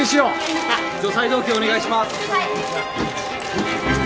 はい！